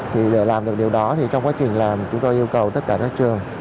thì để làm được điều đó thì trong quá trình làm chúng tôi yêu cầu tất cả các trường